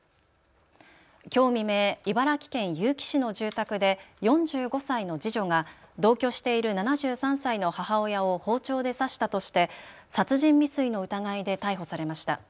きょう未明、茨城県結城市の住宅で４５歳の次女が同居している７３歳の母親を包丁で刺したとして殺人未遂の疑いで逮捕されました。